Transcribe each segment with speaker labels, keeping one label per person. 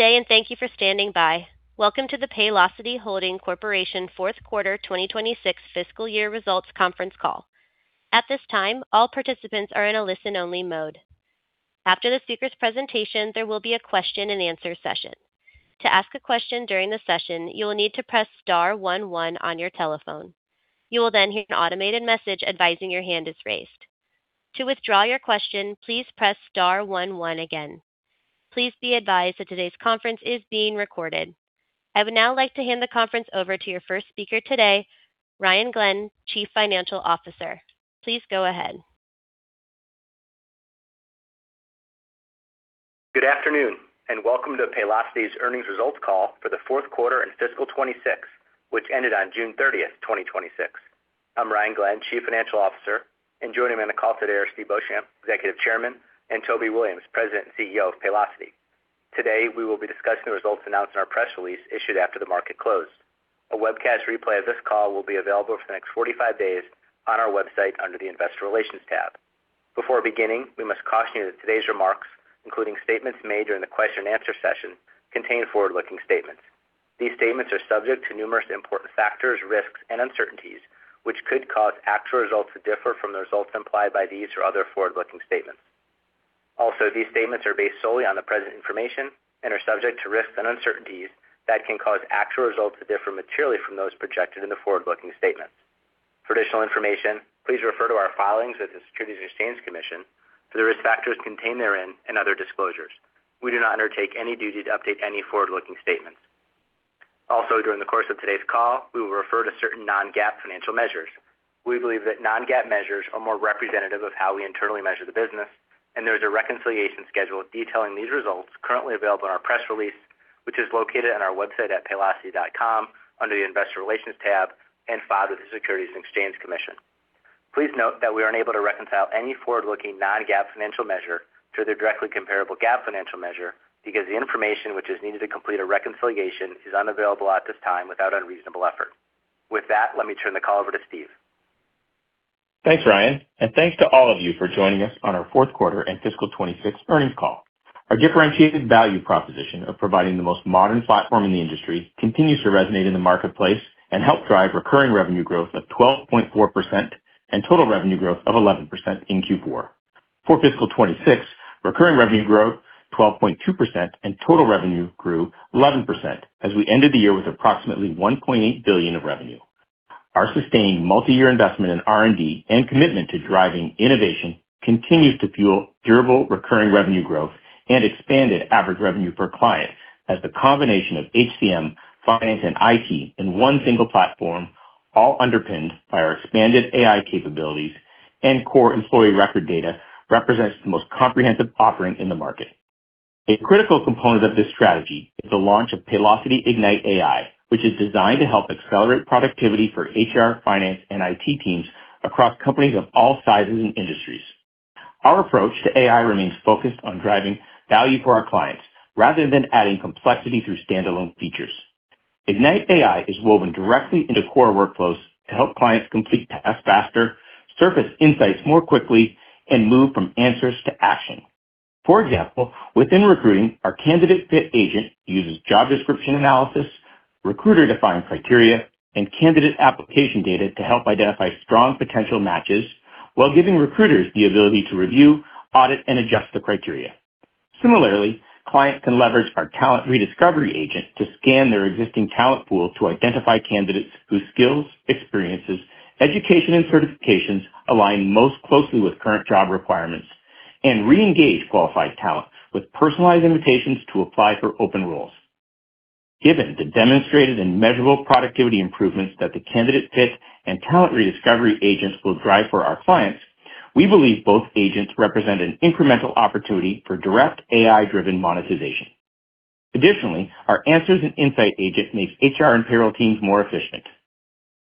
Speaker 1: Good day. Thank you for standing by. Welcome to the Paylocity Holding Corporation Fourth Quarter 2026 Fiscal Year Results Conference Call. At this time, all participants are in a listen-only mode. After the speaker's presentation, there will be a question and answer session. To ask a question during the session, you will need to press star one one on your telephone. You will hear an automated message advising your hand is raised. To withdraw your question, please press star one one again. Please be advised that today's conference is being recorded. I would now like to hand the conference over to your first speaker today, Ryan Glenn, Chief Financial Officer. Please go ahead.
Speaker 2: Good afternoon. Welcome to Paylocity's earnings results call for the fourth quarter in fiscal 2026, which ended on June 30th, 2026. I'm Ryan Glenn, Chief Financial Officer, and joining me on the call today are Steve Beauchamp, Executive Chairman, and Toby Williams, President and CEO of Paylocity. Today, we will be discussing the results announced in our press release issued after the market closed. A webcast replay of this call will be available for the next 45 days on our website under the investor relations tab. Before beginning, we must caution you that today's remarks, including statements made during the question and answer session, contain forward-looking statements. These statements are subject to numerous important factors, risks, and uncertainties, which could cause actual results to differ from the results implied by these or other forward-looking statements. These statements are based solely on the present information and are subject to risks and uncertainties that can cause actual results to differ materially from those projected in the forward-looking statements. For additional information, please refer to our filings with the Securities and Exchange Commission for the risk factors contained therein and other disclosures. We do not undertake any duty to update any forward-looking statements. During the course of today's call, we will refer to certain non-GAAP financial measures. We believe that non-GAAP measures are more representative of how we internally measure the business, and there is a reconciliation schedule detailing these results currently available on our press release, which is located on our website at paylocity.com under the investor relations tab, and filed with the Securities and Exchange Commission. Please note that we are unable to reconcile any forward-looking non-GAAP financial measure to their directly comparable GAAP financial measure because the information which is needed to complete a reconciliation is unavailable at this time without unreasonable effort. With that, let me turn the call over to Steve.
Speaker 3: Thanks, Ryan, and thanks to all of you for joining us on our fourth quarter and fiscal 2026 earnings call. Our differentiated value proposition of providing the most modern platform in the industry continues to resonate in the marketplace and help drive recurring revenue growth of 12.4% and total revenue growth of 11% in Q4. For fiscal 2026, recurring revenue growth 12.2% and total revenue grew 11% as we ended the year with approximately $1.8 billion of revenue. Our sustained multi-year investment in R&D and commitment to driving innovation continues to fuel durable recurring revenue growth and expanded average revenue per client as the combination of HCM finance and IT in one single platform, all underpinned by its expanded AI capabilities and core employee record data represents the most comprehensive offering in the market. A critical component of this strategy is the launch of Paylocity Ignite AI, which is designed to help accelerate productivity for HR, finance, and IT teams across companies of all sizes and industries. Our approach to AI remains focused on driving value for our clients rather than adding complexity through standalone features. Ignite AI is woven directly into core workflows to help clients complete tasks faster, surface insights more quickly, and move from answers to action. For example, within recruiting, our candidate fit agent uses job description analysis, recruiter-defined criteria, and candidate application data to help identify strong potential matches while giving recruiters the ability to review, audit, and adjust the criteria. Similarly, clients can leverage our talent rediscovery agent to scan their existing talent pool to identify candidates whose skills, experiences, education, and certifications align most closely with current job requirements and re-engage qualified talent with personalized invitations to apply for open roles. Additionally, our answers and insight agent makes HR and payroll teams more efficient.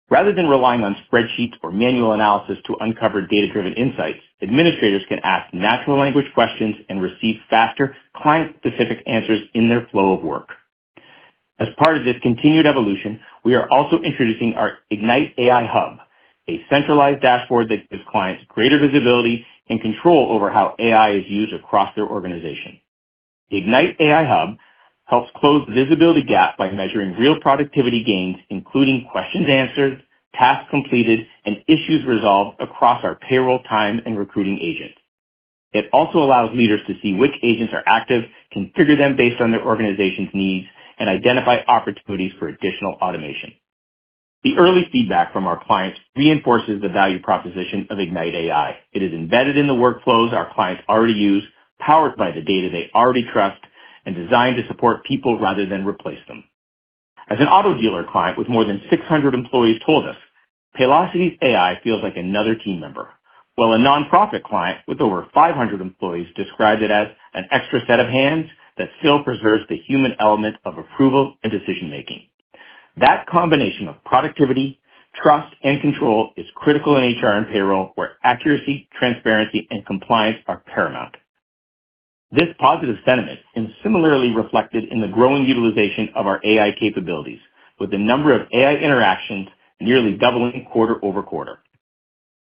Speaker 3: Rather than relying on spreadsheets or manual analysis to uncover data-driven insights, administrators can ask natural language questions and receive faster client-specific answers in their flow of work. As part of this continued evolution, we are also introducing our Ignite AI Hub, a centralized dashboard that gives clients greater visibility and control over how AI is used across their organization. The Ignite AI Hub helps close the visibility gap by measuring real productivity gains, including questions answered, tasks completed, and issues resolved across our payroll time and recruiting agents. It also allows leaders to see which agents are active, configure them based on their organization's needs, and identify opportunities for additional automation. The early feedback from our clients reinforces the value proposition of Ignite AI. It is embedded in the workflows our clients already use, powered by the data they already trust, and designed to support people rather than replace them. As an auto dealer client with more than 600 employees told us, "Paylocity's AI feels like another team member." While a nonprofit client with over 500 employees describes it as an extra set of hands that still preserves the human element of approval and decision-making. That combination of productivity, trust, and control is critical in HR and payroll, where accuracy, transparency, and compliance are paramount. This positive sentiment is similarly reflected in the growing utilization of our AI capabilities, with the number of AI interactions nearly doubling quarter-over-quarter.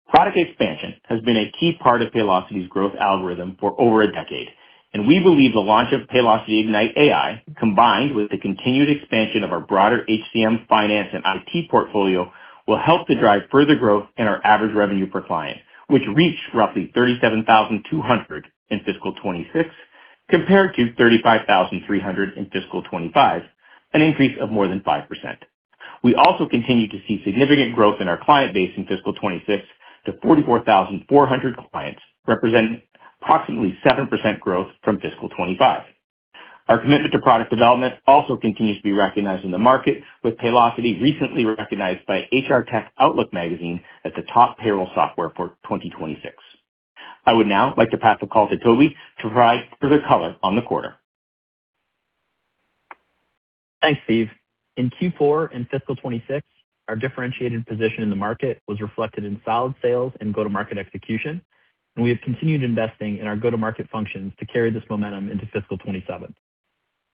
Speaker 3: Product expansion has been a key part of Paylocity's growth algorithm for over a decade, and we believe the launch of Paylocity Ignite AI, combined with the continued expansion of our broader HCM finance and IT portfolio, will help to drive further growth in our average revenue per client, which reached roughly $37,200 in fiscal 2026, compared to $35,300 in fiscal 2025, an increase of more than 5%. We also continue to see significant growth in our client base in fiscal 2026 to 44,400 clients, representing approximately 7% growth from fiscal 2025. Our commitment to product development also continues to be recognized in the market, with Paylocity recently recognized by HR Tech Outlook Magazine as the top payroll software for 2026. I would now like to pass the call to Toby to provide further color on the quarter.
Speaker 4: Thanks, Steve. In Q4 and fiscal 2026, our differentiated position in the market was reflected in solid sales and go-to-market execution, and we have continued investing in our go-to-market functions to carry this momentum into fiscal 2027.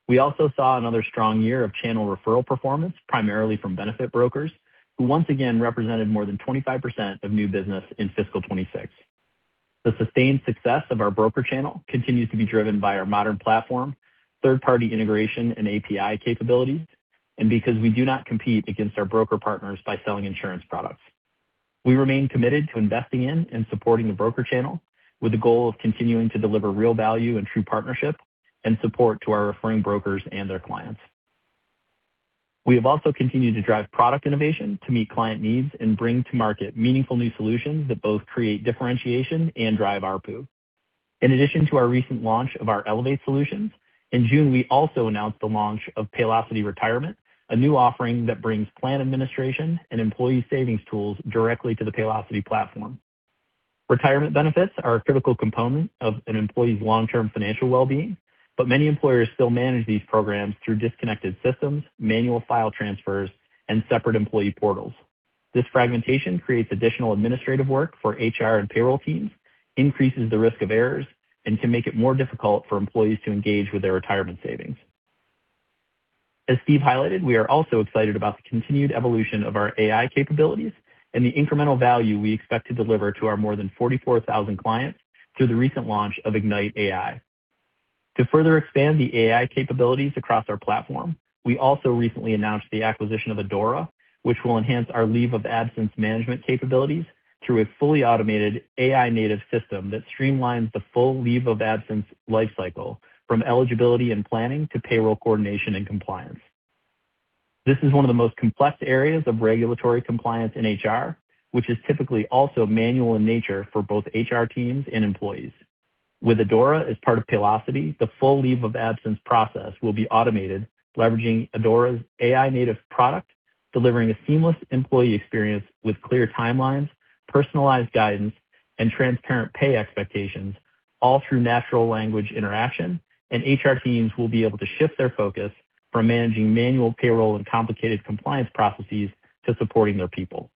Speaker 4: We also saw another strong year of channel referral performance, primarily from benefit brokers, who once again represented more than 25% of new business in fiscal 2026. The sustained success of our broker channel continues to be driven by our modern platform, third-party integration and API capabilities, because we do not compete against our broker partners by selling insurance products. We remain committed to investing in and supporting the broker channel, with the goal of continuing to deliver real value and true partnership and support to our referring brokers and their clients. We have also continued to drive product innovation to meet client needs and bring to market meaningful new solutions that both create differentiation and drive ARPU. In addition to our recent launch of our Elevate Solutions, in June, we also announced the launch of Paylocity Retirement, a new offering that brings plan administration and employee savings tools directly to the Paylocity platform. Retirement benefits are a critical component of an employee's long-term financial well-being, many employers still manage these programs through disconnected systems, manual file transfers, and separate employee portals. This fragmentation creates additional administrative work for HR and payroll teams, increases the risk of errors, and can make it more difficult for employees to engage with their retirement savings. As Steve highlighted, we are also excited about the continued evolution of our AI capabilities and the incremental value we expect to deliver to our more than 44,000 clients through the recent launch of Ignite AI. To further expand the AI capabilities across our platform, we also recently announced the acquisition of Aidora, which will enhance our leave of absence management capabilities through a fully automated AI-native system that streamlines the full leave of absence life cycle, from eligibility and planning to payroll coordination and compliance. This is one of the most complex areas of regulatory compliance in HR, which is typically also manual in nature for both HR teams and employees. With Aidora as part of Paylocity, the full leave of absence process will be automated, leveraging Aidora's AI-native product, delivering a seamless employee experience with clear timelines, personalized guidance, and transparent pay expectations, all through natural language interaction. HR teams will be able to shift their focus from managing manual payroll and complicated compliance processes to supporting their people.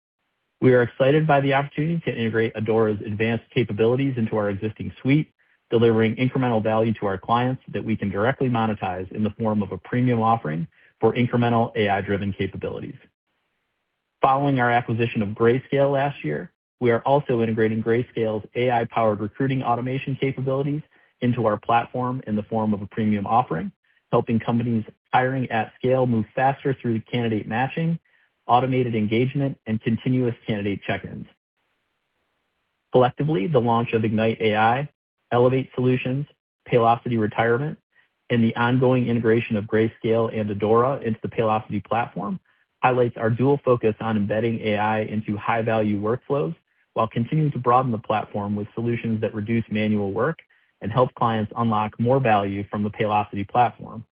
Speaker 4: We are excited by the opportunity to integrate Aidora's advanced capabilities into our existing suite, delivering incremental value to our clients that we can directly monetize in the form of a premium offering for incremental AI-driven capabilities. Following our acquisition of Grayscale last year, we are also integrating Grayscale's AI-powered recruiting automation capabilities into our platform in the form of a premium offering, helping companies hiring at scale move faster through candidate matching, automated engagement, and continuous candidate check-ins. Collectively, the launch of Ignite AI, Elevate Solutions, Paylocity Retirement, and the ongoing integration of Grayscale and Aidora into the Paylocity platform highlights our dual focus on embedding AI into high-value workflows while continuing to broaden the platform with solutions that reduce manual work and help clients unlock more value from the Paylocity platform.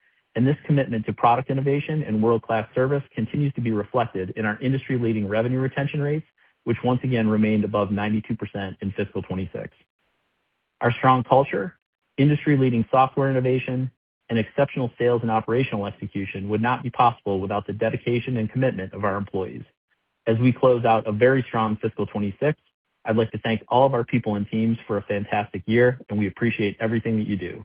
Speaker 4: This commitment to product innovation and world-class service continues to be reflected in our industry-leading revenue retention rates, which once again remained above 92% in fiscal 2026. Our strong culture, industry-leading software innovation, and exceptional sales and operational execution would not be possible without the dedication and commitment of our employees. As we close out a very strong fiscal 2026, I'd like to thank all of our people and teams for a fantastic year, and we appreciate everything that you do.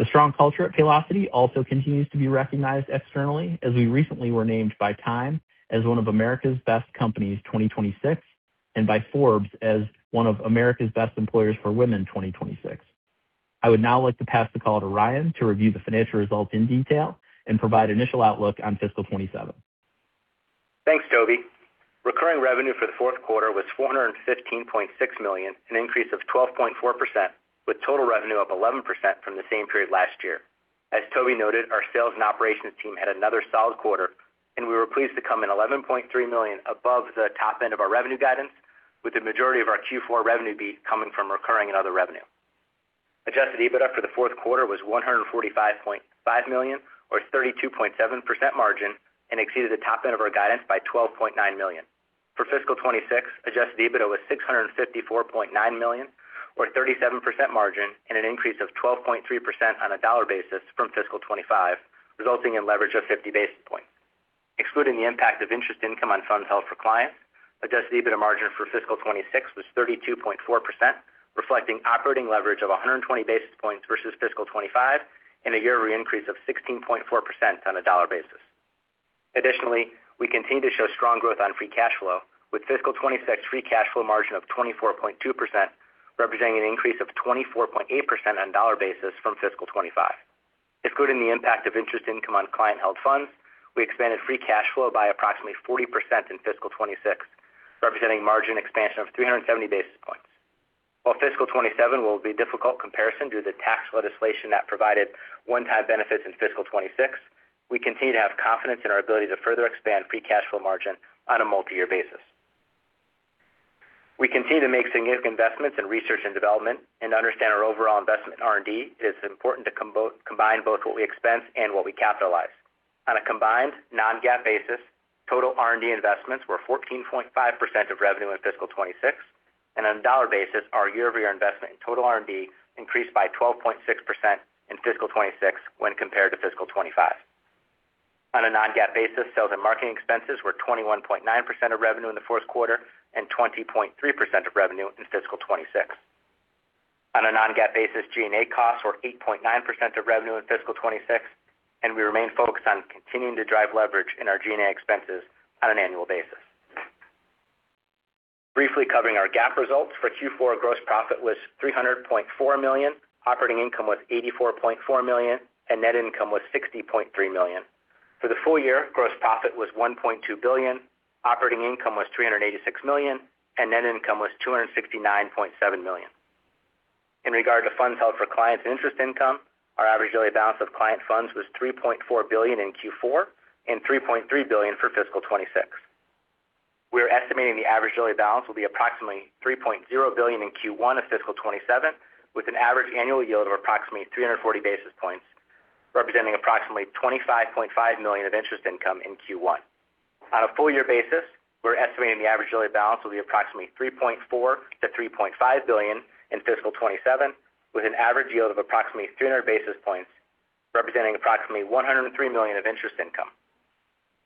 Speaker 4: The strong culture at Paylocity also continues to be recognized externally as we recently were named by Time as one of America's Best Companies 2026, and by Forbes as one of America's Best Employers for Women 2026. I would now like to pass the call to Ryan to review the financial results in detail and provide initial outlook on fiscal 2027.
Speaker 2: Thanks, Toby. Recurring revenue for the fourth quarter was $415.6 million, an increase of 12.4%, with total revenue up 11% from the same period last year. As Toby noted, our sales and operations team had another solid quarter, and we were pleased to come in $11.3 million above the top end of our revenue guidance, with the majority of our Q4 revenue beat coming from recurring and other revenue. Adjusted EBITDA for the fourth quarter was $145.5 million, or 32.7% margin, and exceeded the top end of our guidance by $12.9 million. For fiscal 2026, adjusted EBITDA was $654.9 million, or 37% margin, an increase of 12.3% on a dollar basis from fiscal 2025, resulting in leverage of 50 basis points. Excluding the impact of interest income on funds held for clients, adjusted EBITDA margin for fiscal 2026 was 32.4%, reflecting operating leverage of 120 basis points versus fiscal 2025 and a year-over-year increase of 16.4% on a dollar basis. Additionally, we continue to show strong growth on free cash flow with fiscal 2026 free cash flow margin of 24.2%, representing an increase of 24.8% on a dollar basis from fiscal 2025. Excluding the impact of interest income on client held funds, we expanded free cash flow by approximately 40% in fiscal 2026, representing margin expansion of 370 basis points. While fiscal 2027 will be a difficult comparison due to the tax legislation that provided one-time benefits in fiscal 2026, we continue to have confidence in our ability to further expand free cash flow margin on a multi-year basis. We continue to make significant investments in research and development. To understand our overall investment in R&D, it's important to combine both what we expense and what we capitalize. On a combined non-GAAP basis, total R&D investments were 14.5% of revenue in fiscal 2026, and on a dollar basis, our year-over-year investment in total R&D increased by 12.6% in fiscal 2026 when compared to fiscal 2025. On a non-GAAP basis, sales and marketing expenses were 21.9% of revenue in the fourth quarter and 20.3% of revenue in fiscal 2026. On a non-GAAP basis, G&A costs were 8.9% of revenue in fiscal 2026. We remain focused on continuing to drive leverage in our G&A expenses on an annual basis. Briefly covering our GAAP results. For Q4, gross profit was $300.4 million, operating income was $84.4 million, and net income was $60.3 million. For the full year, gross profit was $1.2 billion, operating income was $386 million, and net income was $269.7 million. In regard to funds held for clients and interest income, our average daily balance of client funds was $3.4 billion in Q4 and $3.3 billion for fiscal 2026. We are estimating the average daily balance will be approximately $3.0 billion in Q1 of fiscal 2027, with an average annual yield of approximately 340 basis points, representing approximately $25.5 million of interest income in Q1. On a full year basis, we're estimating the average daily balance will be approximately $3.4 billion-$3.5 billion in fiscal 2027, with an average yield of approximately 300 basis points, representing approximately $103 million of interest income.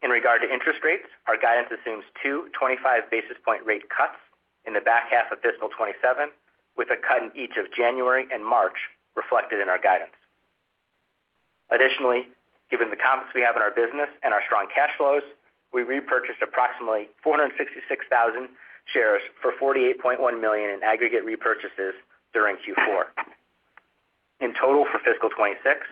Speaker 2: In regard to interest rates, our guidance assumes two 25 basis point rate cuts in the back half of fiscal 2027, with a cut in each of January and March reflected in our guidance. Additionally, given the confidence we have in our business and our strong cash flows, we repurchased approximately 466,000 shares for $48.1 million in aggregate repurchases during Q4. In total for fiscal 2026,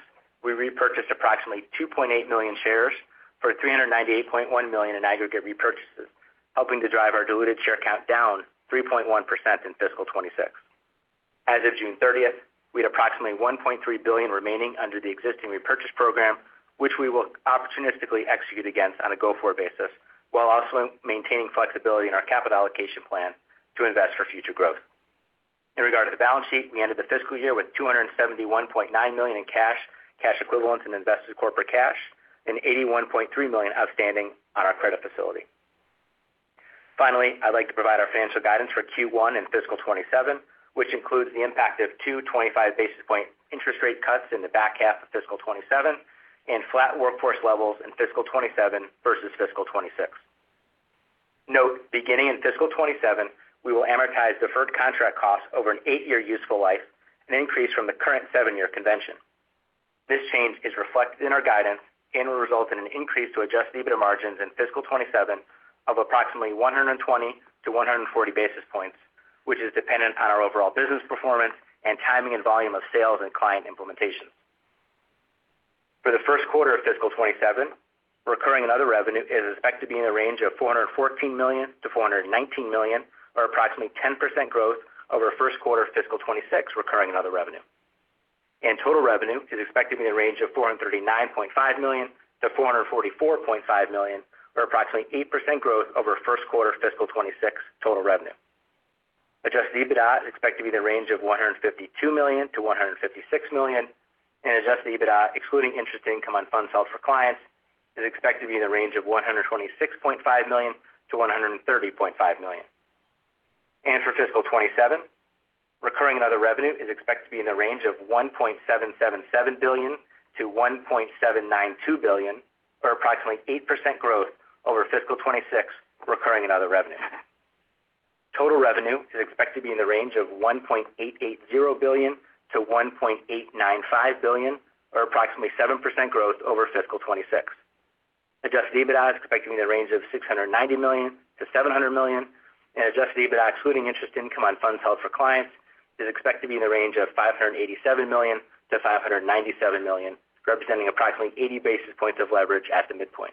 Speaker 2: we repurchased approximately 2.8 million shares for $398.1 million in aggregate repurchases, helping to drive our diluted share count down 3.1% in fiscal 2026. As of June 30th, we had approximately $1.3 billion remaining under the existing repurchase program, which we will opportunistically execute against on a go-forward basis, while also maintaining flexibility in our capital allocation plan to invest for future growth. In regard to the balance sheet, we ended the fiscal year with $271.9 million in cash equivalents and invested corporate cash, and $81.3 million outstanding on our credit facility. Finally, I'd like to provide our financial guidance for Q1 and fiscal 2027, which includes the impact of two 25 basis point interest rate cuts in the back half of fiscal 2027 and flat workforce levels in fiscal 2027 versus fiscal 2026. Note, beginning in fiscal 2027, we will amortize deferred contract costs over an eight-year useful life, an increase from the current seven-year convention. This change is reflected in our guidance and will result in an increase to adjusted EBITDA margins in fiscal 2027 of approximately 120-140 basis points, which is dependent upon our overall business performance and timing and volume of sales and client implementations. For the first quarter of fiscal 2027, recurring and other revenue is expected to be in the range of $414 million-$419 million, or approximately 10% growth over first quarter fiscal 2026 recurring and other revenue. Total revenue is expected to be in the range of $439.5 million-$444.5 million, or approximately 8% growth over first quarter fiscal 2026 total revenue. Adjusted EBITDA is expected to be in the range of $152 million-$156 million, adjusted EBITDA, excluding interest income on funds held for clients, is expected to be in the range of $126.5 million-$130.5 million. For fiscal 2027, recurring and other revenue is expected to be in the range of $1.777 billion-$1.792 billion, or approximately 8% growth over fiscal 2026 recurring and other revenue. Total revenue is expected to be in the range of $1.880 billion-$1.895 billion, or approximately 7% growth over fiscal 2026. Adjusted EBITDA is expected to be in the range of $690 million-$700 million, and adjusted EBITDA excluding interest income on funds held for clients is expected to be in the range of $587 million-$597 million, representing approximately 80 basis points of leverage at the midpoint.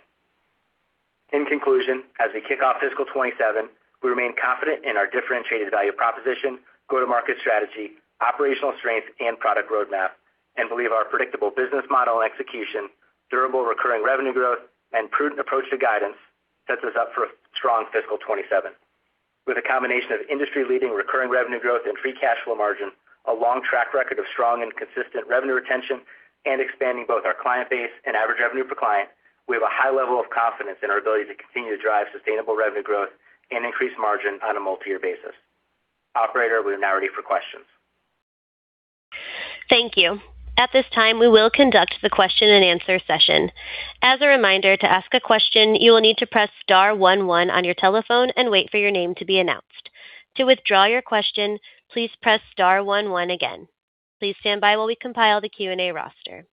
Speaker 2: In conclusion, as we kick off fiscal 2027, we remain confident in our differentiated value proposition, go-to-market strategy, operational strength, and product roadmap, and believe our predictable business model and execution, durable recurring revenue growth, and prudent approach to guidance sets us up for a strong fiscal 2027. With a combination of industry-leading recurring revenue growth and free cash flow margin, a long track record of strong and consistent revenue retention, and expanding both our client base and average revenue per client, we have a high level of confidence in our ability to continue to drive sustainable revenue growth and increase margin on a multi-year basis. Operator, we are now ready for questions.
Speaker 1: Thank you. At this time, we will conduct the question and answer session. As a reminder, to ask a question, you will need to press star one one on your telephone and wait for your name to be announced. To withdraw your question, please press star one one again. Please stand by while we compile the Q&A roster.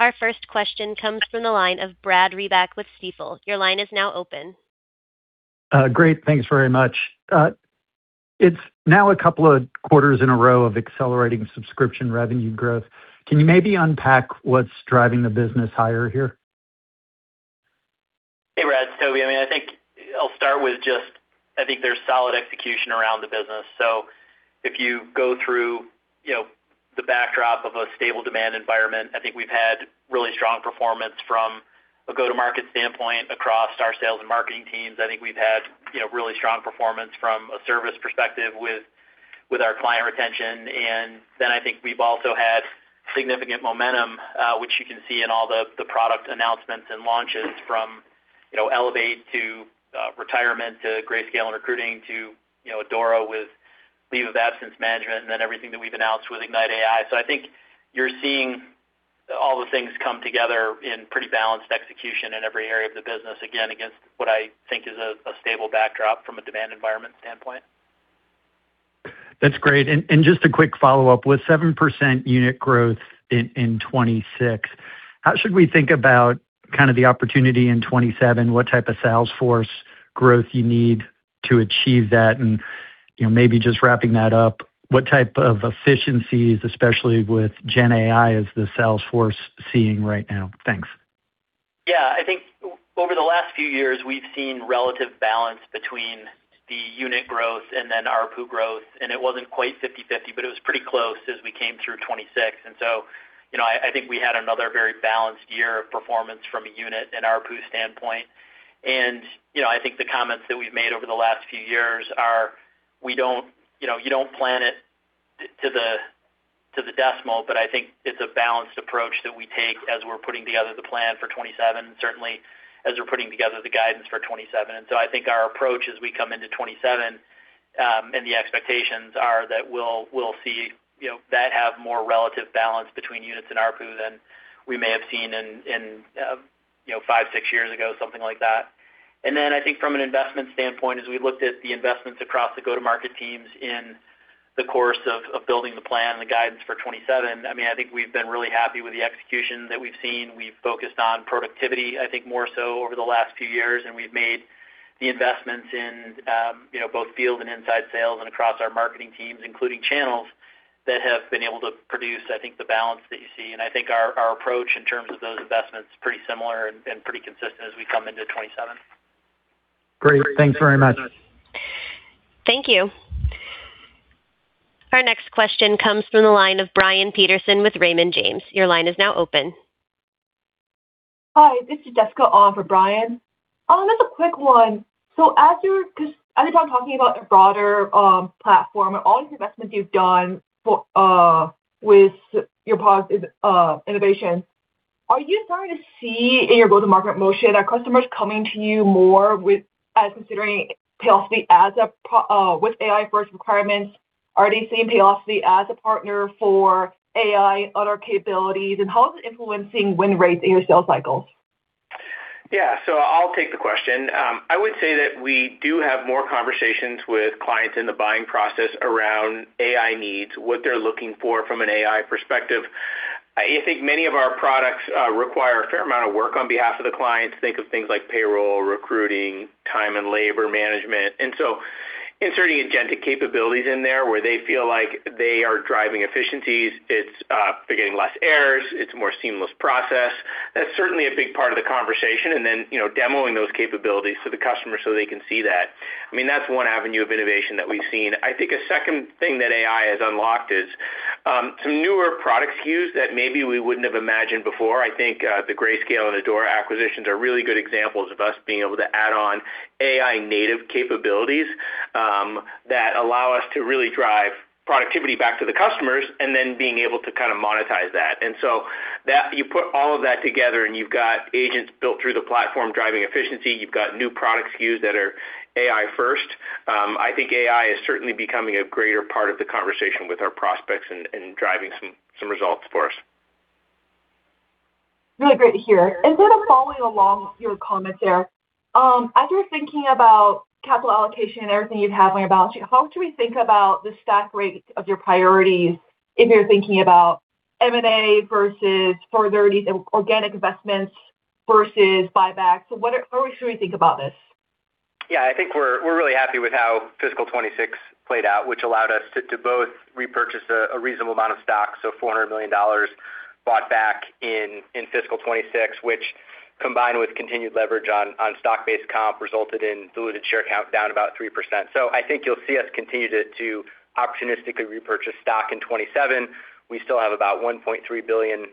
Speaker 1: Our first question comes from the line of Brad Reback with Stifel. Your line is now open.
Speaker 5: Great. Thanks very much. It's now a couple of quarters in a row of accelerating subscription revenue growth. Can you maybe unpack what's driving the business higher here?
Speaker 4: Hey, Brad. It's Toby. I'll start with just, I think there's solid execution around the business. If you go through the backdrop of a stable demand environment, I think we've had really strong performance from a go-to-market standpoint across our sales and marketing teams. I think we've had really strong performance from a service perspective with our client retention. I think we've also had significant momentum, which you can see in all the product announcements and launches from Elevate to Retirement to Grayscale and Recruiting to Aidora with leave of absence management, and then everything that we've announced with Ignite AI. I think you're seeing all the things come together in pretty balanced execution in every area of the business, again, against what I think is a stable backdrop from a demand environment standpoint.
Speaker 5: That's great. Just a quick follow-up. With 7% unit growth in 2026, how should we think about the opportunity in 2027? What type of sales force growth you need to achieve that? Maybe just wrapping that up, what type of efficiencies, especially with Gen AI, is the sales force seeing right now? Thanks.
Speaker 4: I think over the last few years, we've seen relative balance between the unit growth and then ARPU growth, and it wasn't quite 50/50, but it was pretty close as we came through 2026. I think we had another very balanced year of performance from a unit and ARPU standpoint. I think the comments that we've made over the last few years are, you don't plan it to the decimal, but I think it's a balanced approach that we take as we're putting together the plan for 2027, certainly as we're putting together the guidance for 2027. I think our approach as we come into 2027, and the expectations are that we'll see that have more relative balance between units and ARPU than we may have seen in five, six years ago, something like that. I think from an investment standpoint, as we looked at the investments across the go-to-market teams in the course of building the plan, the guidance for 2027, I think we've been really happy with the execution that we've seen. We've focused on productivity, I think, more so over the last few years, and we've made the investments in both field and inside sales and across our marketing teams, including channels, that have been able to produce, I think, the balance that you see. I think our approach in terms of those investments is pretty similar and pretty consistent as we come into 2027.
Speaker 5: Great. Thanks very much.
Speaker 1: Thank you. Our next question comes from the line of Brian Peterson with Raymond James. Your line is now open.
Speaker 6: Hi, this is Jessica on for Brian. Just a quick one. As you're talking about the broader platform and all these investments you've done with your positive innovation. Are you starting to see in your go-to-market motion customers coming to you more with us considering Paylocity with AI first requirements? Are they seeing Paylocity as a partner for AI, other capabilities, and how is it influencing win rates in your sales cycles?
Speaker 4: Yeah. I'll take the question. I would say that we do have more conversations with clients in the buying process around AI needs, what they're looking for from an AI perspective. I think many of our products require a fair amount of work on behalf of the client to think of things like payroll, recruiting, time and labor management. Inserting agentic capabilities in there where they feel like they are driving efficiencies, they're getting less errors, it's a more seamless process. That's certainly a big part of the conversation. Then, demoing those capabilities to the customer so they can see that. That's one avenue of innovation that we've seen. I think a second thing that AI has unlocked is some newer product SKUs that maybe we wouldn't have imagined before. I think the Grayscale and Aidora acquisitions are really good examples of us being able to add on AI-native capabilities that allow us to really drive productivity back to the customers and then being able to monetize that. You put all of that together, and you've got agents built through the platform driving efficiency. You've got new product SKUs that are AI first. I think AI is certainly becoming a greater part of the conversation with our prospects and driving some results for us.
Speaker 6: Really great to hear. Sort of following along your comments there, as you're thinking about capital allocation and everything you have on your balance sheet, how should we think about the stack rate of your priorities if you're thinking about M&A versus further organic investments versus buybacks? How should we think about this?
Speaker 2: I think we're really happy with how fiscal 2026 played out, which allowed us to both repurchase a reasonable amount of stock, so $400 million bought back in fiscal 2026, which, combined with continued leverage on stock-based comp, resulted in diluted share count down about 3%. I think you'll see us continue to opportunistically repurchase stock in 2027. We still have about $1.3 billion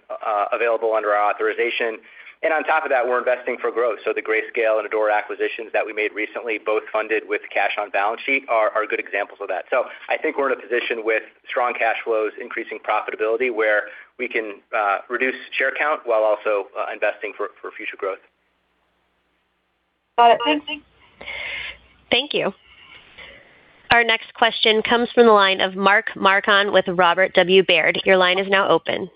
Speaker 2: available under our authorization. On top of that, we're investing for growth. The Grayscale and Aidora acquisitions that we made recently, both funded with cash on balance sheet, are good examples of that. I think we're in a position with strong cash flows, increasing profitability, where we can reduce share count while also investing for future growth.
Speaker 6: Thanks.
Speaker 1: Thank you. Our next question comes from the line of Mark Marcon with Robert W. Baird. Your line is now open.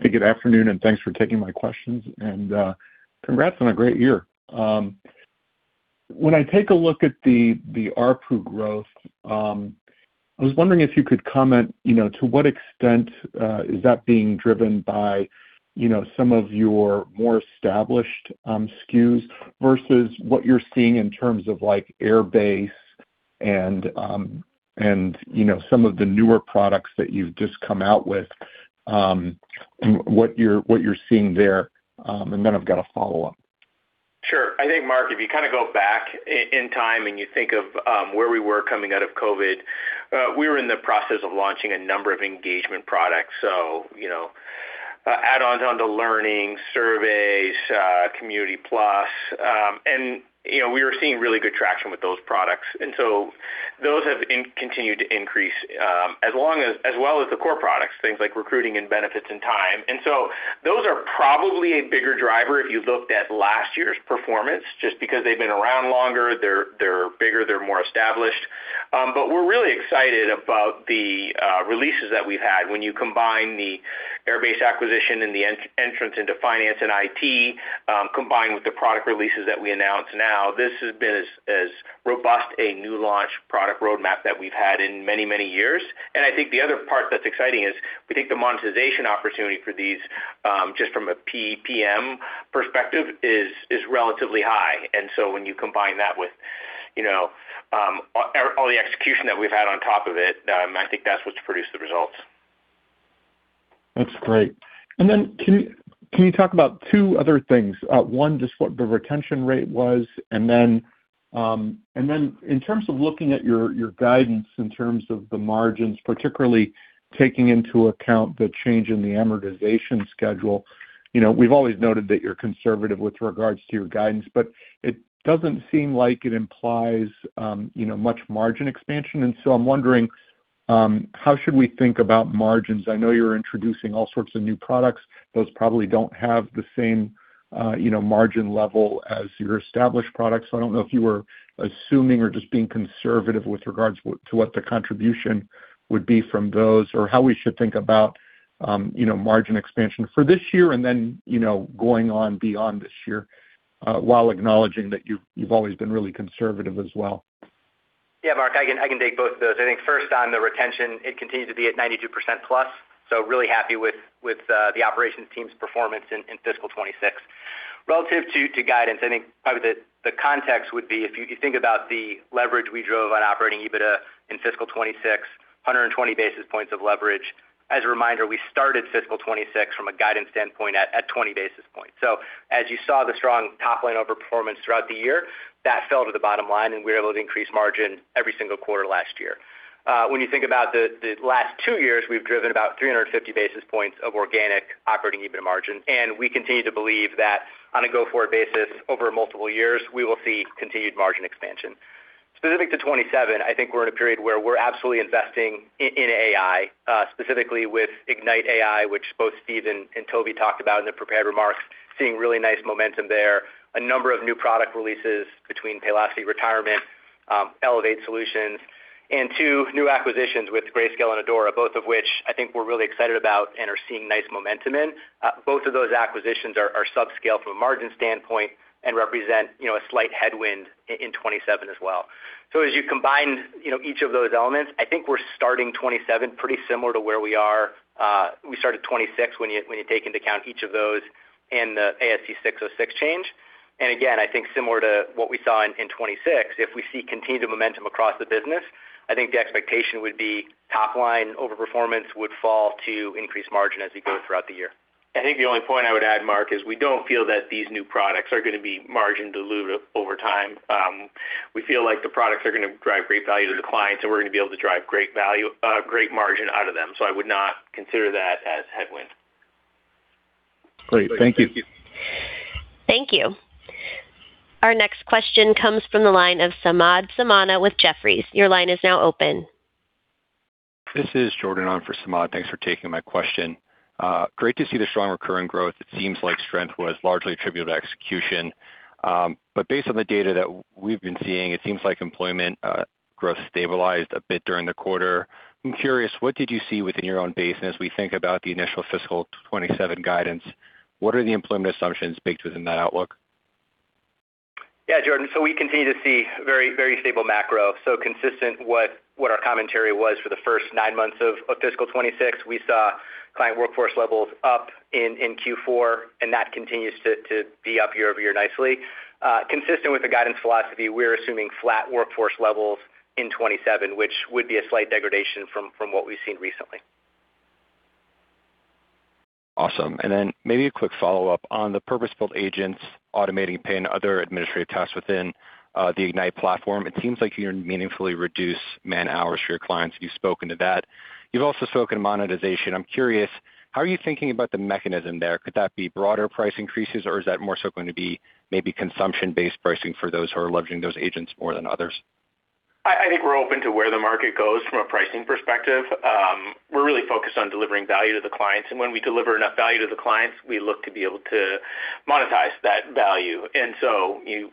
Speaker 7: Good afternoon, and thanks for taking my questions. Congrats on a great year. When I take a look at the ARPU growth, I was wondering if you could comment to what extent is that being driven by some of your more established SKUs versus what you're seeing in terms of Airbase and some of the newer products that you've just come out with, and what you're seeing there. I've got a follow-up.
Speaker 2: Sure. I think, Mark, if you go back in time and you think of where we were coming out of COVID, we were in the process of launching a number of engagement products. Add-ons onto Learning, Surveys, Community+, and we were seeing really good traction with those products. Those have continued to increase as well as the core products, things like recruiting and benefits and time. Those are probably a bigger driver if you looked at last year's performance, just because they've been around longer, they're bigger, they're more established. We're really excited about the releases that we've had. When you combine the Airbase acquisition and the entrance into finance and IT, combined with the product releases that we announce now, this has been as robust a new launch product roadmap that we've had in many, many years. I think the other part that's exciting is we think the monetization opportunity for these, just from a PEPM perspective, is relatively high. When you combine that with all the execution that we've had on top of it, I think that's what's produced the results.
Speaker 7: That's great. Can you talk about two other things? One, just what the retention rate was, and then in terms of looking at your guidance in terms of the margins, particularly taking into account the change in the amortization schedule. We've always noted that you're conservative with regards to your guidance, but it doesn't seem like it implies much margin expansion, and so I'm wondering how should we think about margins? I know you're introducing all sorts of new products. Those probably don't have the same margin level as your established products, so I don't know if you were assuming or just being conservative with regards to what the contribution would be from those, or how we should think about margin expansion for this year and then going on beyond this year, while acknowledging that you've always been really conservative as well.
Speaker 2: Mark, I can take both of those. I think first on the retention, it continues to be at 92%+, so really happy with the operations team's performance in fiscal 2026. Relative to guidance, I think probably the context would be if you think about the leverage we drove on operating EBITDA in fiscal 2026, 120 basis points of leverage. As a reminder, we started fiscal 2026 from a guidance standpoint at 20 basis points. As you saw the strong top-line overperformance throughout the year, that fell to the bottom line, and we were able to increase margin every single quarter last year. When you think about the last two years, we've driven about 350 basis points of organic operating EBITDA margin, and we continue to believe that on a go-forward basis over multiple years, we will see continued margin expansion. Specific to 2027, I think we're in a period where we're absolutely investing in AI, specifically with Ignite AI, which both Steve and Toby talked about in the prepared remarks, seeing really nice momentum there. A number of new product releases between Paylocity Retirement, Elevate Solutions, and two new acquisitions with Grayscale and Aidora, both of which I think we're really excited about and are seeing nice momentum in. Both of those acquisitions are subscale from a margin standpoint and represent a slight headwind in 2027 as well. As you combine each of those elements, I think we're starting 2027 pretty similar to where we started 2026 when you take into account each of those and the ASC 606 change. Again, I think similar to what we saw in 2026, if we see continued momentum across the business, I think the expectation would be top line overperformance would fall to increased margin as we go throughout the year. I think the only point I would add, Mark, is we don't feel that these new products are going to be margin dilutive over time. We feel like the products are going to drive great value to the clients, and we're going to be able to drive great margin out of them. I would not consider that as headwind.
Speaker 7: Great. Thank you.
Speaker 3: Thank you.
Speaker 1: Thank you. Our next question comes from the line of Samad Samana with Jefferies. Your line is now open.
Speaker 8: This is Jordan on for Samad. Thanks for taking my question. Great to see the strong recurring growth. It seems like strength was largely attributed to execution. Based on the data that we've been seeing, it seems like employment growth stabilized a bit during the quarter. I'm curious, what did you see within your own base, and as we think about the initial FY 2027 guidance, what are the employment assumptions baked within that outlook?
Speaker 2: Yeah, Jordan. We continue to see very stable macro. Consistent what our commentary was for the first nine months of fiscal 2026. We saw client workforce levels up in Q4, and that continues to be up year-over-year nicely. Consistent with the guidance philosophy, we're assuming flat workforce levels in 2027, which would be a slight degradation from what we've seen recently.
Speaker 8: Awesome. Maybe a quick follow-up. On the purpose-built agents automating paying other administrative tasks within the Ignite platform, it seems like you meaningfully reduce man-hours for your clients. You've spoken to that. You've also spoken monetization. I'm curious, how are you thinking about the mechanism there? Could that be broader price increases, or is that more so going to be maybe consumption-based pricing for those who are leveraging those agents more than others?
Speaker 3: I think we're open to where the market goes from a pricing perspective. We're really focused on delivering value to the clients. When we deliver enough value to the clients, we look to be able to monetize that value.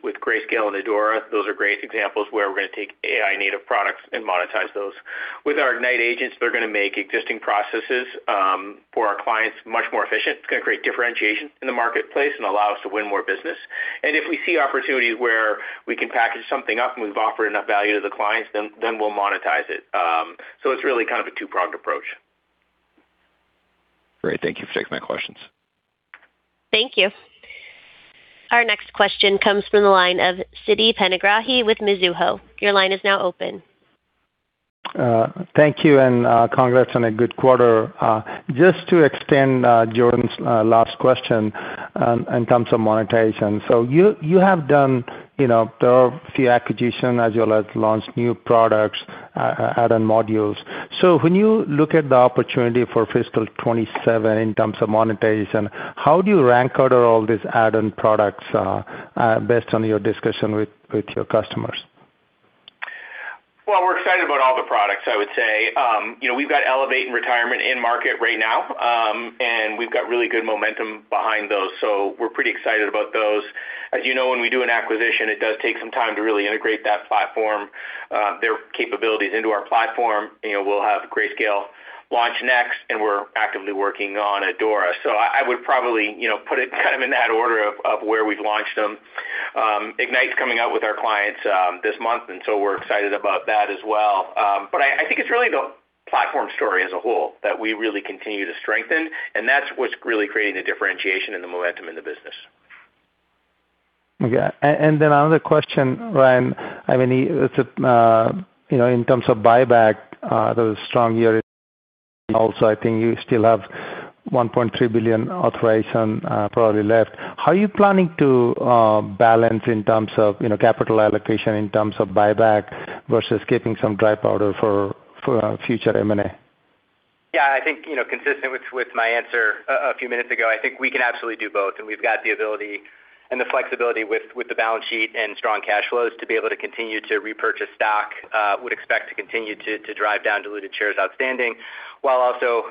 Speaker 3: With Grayscale and Aidora, those are great examples where we're going to take AI-native products and monetize those. With our Ignite agents, they're going to make existing processes for our clients much more efficient. It's going to create differentiation in the marketplace and allow us to win more business. If we see opportunities where we can package something up and we've offered enough value to the clients, then we'll monetize it. It's really kind of a two-pronged approach.
Speaker 8: Great. Thank you for taking my questions.
Speaker 1: Thank you. Our next question comes from the line of Siti Panigrahi with Mizuho. Your line is now open.
Speaker 9: Thank you, and congrats on a good quarter. Just to extend Jordan's last question in terms of monetization. You have done the few acquisition as you launch new products, add-on modules. When you look at the opportunity for fiscal 2027 in terms of monetization, how do you rank order all these add-on products based on your discussion with your customers?
Speaker 3: Well, we've got Elevate and Retirement in market right now. We've got really good momentum behind those, so we're pretty excited about those. As you know, when we do an acquisition, it does take some time to really integrate their capabilities into our platform. We'll have Grayscale launch next, and we're actively working on Aidora. I would probably put it in that order of where we've launched them. Ignite's coming out with our clients this month, we're excited about that as well. I think it's really the platform story as a whole that we really continue to strengthen, and that's what's really creating the differentiation and the momentum in the business.
Speaker 9: Okay. Another question, Ryan. In terms of buyback, that was a strong year also, I think you still have $1.3 billion authorization probably left. How are you planning to balance in terms of capital allocation, in terms of buyback versus keeping some dry powder for future M&A?
Speaker 2: I think consistent with my answer a few minutes ago, I think we can absolutely do both. We've got the ability and the flexibility with the balance sheet and strong cash flows to be able to continue to repurchase stock. Would expect to continue to drive down diluted shares outstanding, while also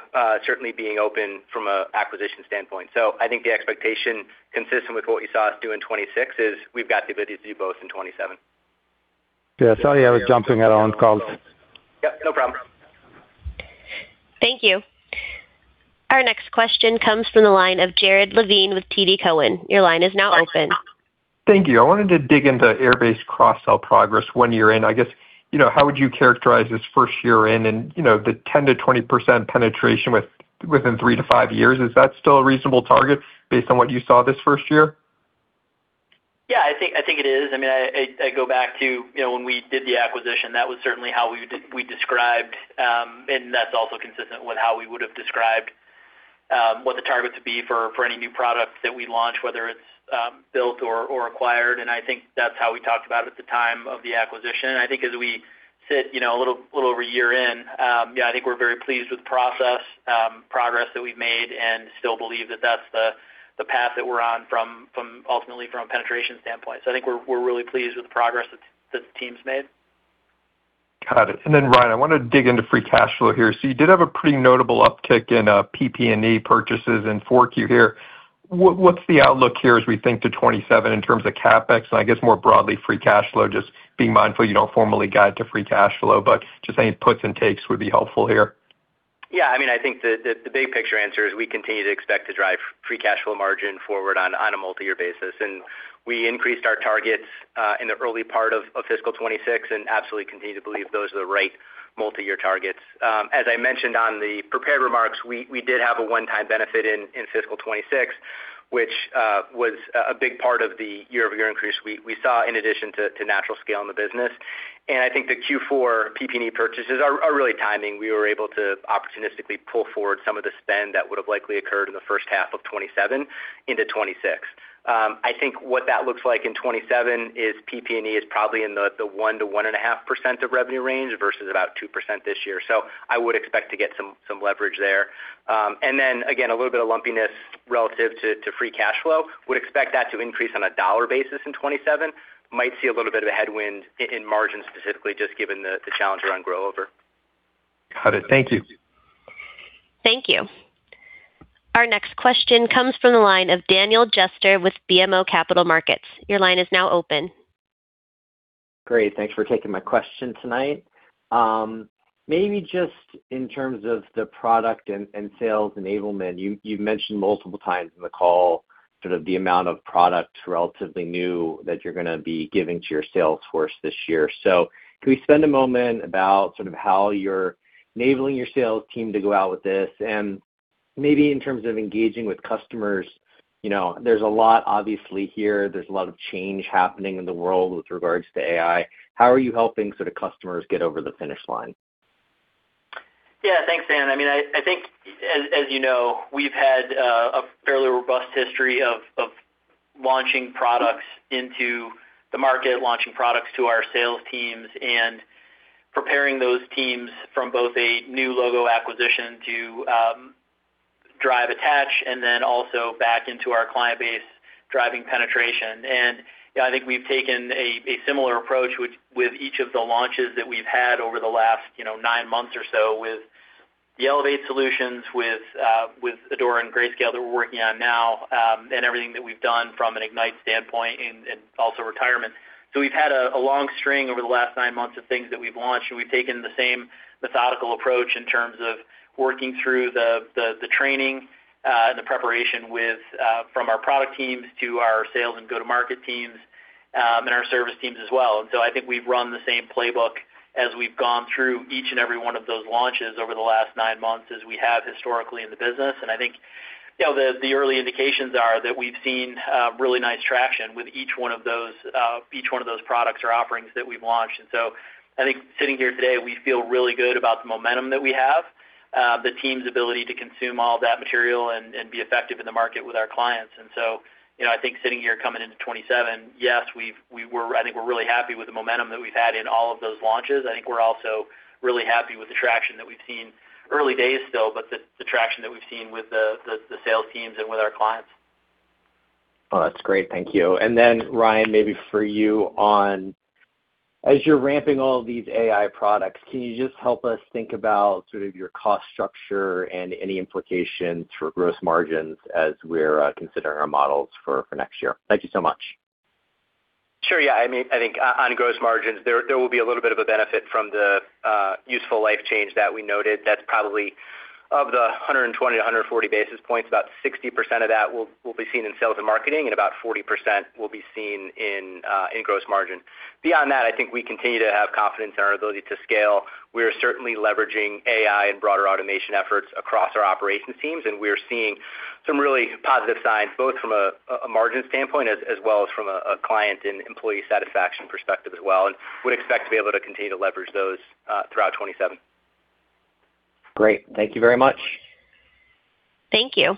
Speaker 2: certainly being open from an acquisition standpoint. I think the expectation consistent with what you saw us do in 2026 is we've got the ability to do both in 2027.
Speaker 9: Yeah. Sorry, I was jumping around calls.
Speaker 2: Yep, no problem.
Speaker 1: Thank you. Our next question comes from the line of Jared Levine with TD Cowen. Your line is now open.
Speaker 10: Thank you. I wanted to dig into Airbase cross-sell progress one year in. I guess, how would you characterize this first year in and the 10%-20% penetration within three to five years? Is that still a reasonable target based on what you saw this first year?
Speaker 4: Yeah, I think it is. I go back to when we did the acquisition, that was certainly how we described, that's also consistent with how we would've described what the targets would be for any new product that we launch, whether it's built or acquired. I think that's how we talked about it at the time of the acquisition. I think as we sit a little over a year in, yeah, I think we're very pleased with the progress that we've made and still believe that that's the path that we're on ultimately from a penetration standpoint. I think we're really pleased with the progress that the team's made.
Speaker 10: Got it. Ryan, I want to dig into free cash flow here. You did have a pretty notable uptick in PP&E purchases in Q4 here. What's the outlook here as we think to 2027 in terms of CapEx and I guess more broadly, free cash flow? Just being mindful you don't formally guide to free cash flow, but just any puts and takes would be helpful here.
Speaker 2: Yeah, I think the big picture answer is we continue to expect to drive free cash flow margin forward on a multi-year basis. We increased our targets in the early part of fiscal 2026 and absolutely continue to believe those are the right multi-year targets. As I mentioned on the prepared remarks, we did have a one-time benefit in fiscal 2026, which was a big part of the year-over-year increase we saw in addition to natural scale in the business. I think the Q4 PP&E purchases are really timing. We were able to opportunistically pull forward some of the spend that would've likely occurred in the first half of 2027 into 2026. I think what that looks like in 2027 is PP&E is probably in the 1%-1.5% of revenue range versus about 2% this year. I would expect to get some leverage there. Again, a little bit of lumpiness relative to free cash flow. Would expect that to increase on a dollar basis in 2027. Might see a little bit of a headwind in margin specifically just given the challenge around grow over.
Speaker 10: Got it. Thank you.
Speaker 1: Thank you. Our next question comes from the line of Daniel Jester with BMO Capital Markets. Your line is now open.
Speaker 11: Great. Thanks for taking my question tonight. Maybe just in terms of the product and sales enablement, you've mentioned multiple times in the call sort of the amount of product relatively new that you're going to be giving to your sales force this year. Can we spend a moment about sort of how you're enabling your sales team to go out with this and maybe in terms of engaging with customers? There's a lot obviously here. There's a lot of change happening in the world with regards to AI. How are you helping sort of customers get over the finish line?
Speaker 4: Yeah. Thanks, Dan. I think as you know, we've had a fairly robust history of launching products into the market, launching products to our sales teams, and preparing those teams from both a new logo acquisition to drive attach and then also back into our client base driving penetration. I think we've taken a similar approach with each of the launches that we've had over the last nine months or so with the Elevate Solutions, with Aidora and Grayscale that we're working on now, and everything that we've done from an Ignite standpoint and also Retirement. We've had a long string over the last nine months of things that we've launched, and we've taken the same methodical approach in terms of working through the training The preparation from our product teams to our sales and go-to-market teams, and our service teams as well. I think we've run the same playbook as we've gone through each and every one of those launches over the last nine months as we have historically in the business. I think the early indications are that we've seen really nice traction with each one of those products or offerings that we've launched. I think sitting here today, we feel really good about the momentum that we have, the team's ability to consume all that material and be effective in the market with our clients. I think sitting here coming into 2027, yes, we're really happy with the momentum that we've had in all of those launches. I think we're also really happy with the traction that we've seen. Early days still, the traction that we've seen with the sales teams and with our clients.
Speaker 11: That's great. Thank you. Ryan, maybe for you on, as you're ramping all these AI products, can you just help us think about sort of your cost structure and any implications for gross margins as we're considering our models for next year? Thank you so much.
Speaker 2: Sure. Yeah. I think on gross margins, there will be a little bit of a benefit from the useful life change that we noted. That is probably, of the 120-140 basis points, about 60% of that will be seen in sales and marketing, and about 40% will be seen in gross margin. Beyond that, I think we continue to have confidence in our ability to scale. We are certainly leveraging AI and broader automation efforts across our operations teams, and we are seeing some really positive signs, both from a margin standpoint as well as from a client and employee satisfaction perspective as well, and would expect to be able to continue to leverage those throughout 2027.
Speaker 11: Great. Thank you very much.
Speaker 1: Thank you.